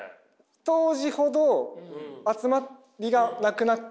当時ほど集まりがなくなってきてはいます。